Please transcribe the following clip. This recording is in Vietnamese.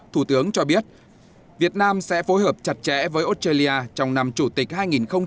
thủ tướng cho biết việt nam sẽ phối hợp chặt chẽ với australia trong năm chủ tịch hai nghìn hai mươi